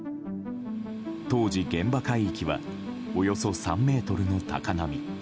当時、現場海域はおよそ３ｍの高波。